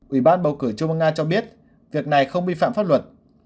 ủy ban bầu cử trung ương nga cho biết việc này không vi phạm pháp luật